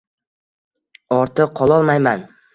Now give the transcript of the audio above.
Ortiq qololmayman